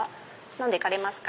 飲んでいかれますか？